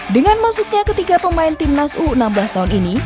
dengan masuknya ketiga pemain timnas u enam belas tahun ini